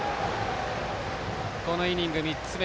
このイニング、３つ目。